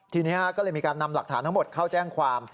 ทีนี้ก็เลยมีการนำหลักฐานทั้งหมดเข้าแจ้งความ